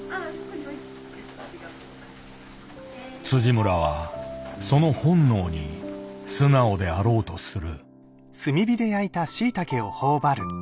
村はその本能に素直であろうとする。